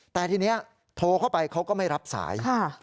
แต่ทีนี้โทรเข้าไปเขาก็ไม่รับสาย